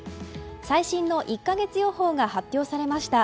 最新の１か月予報が発表されました。